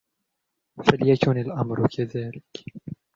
فليكن الأمر كذلك!